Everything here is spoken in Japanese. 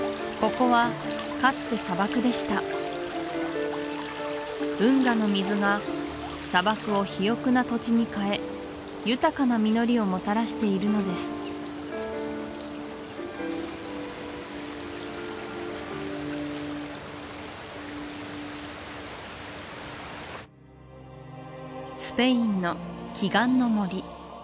ここはかつて砂漠でした運河の水が砂漠を肥よくな土地に変え豊かな実りをもたらしているのですスペインの奇岩の森